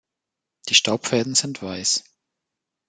Die Staubfäden sind weiß.